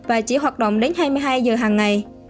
và chỉ hoạt động đến hai mươi hai giờ hàng ngày